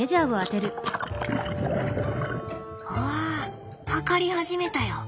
うわ測り始めたよ！